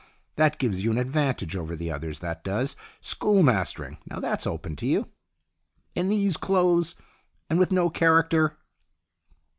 That gives you an advantage over the others, that does. School mastering, now that's open to you." " In these clothes ? And with no character